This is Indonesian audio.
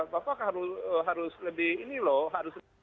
bapak harus lebih ini loh